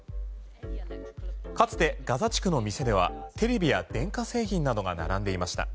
かつてガザ地区の店ではテレビや電化製品などが並んでいました。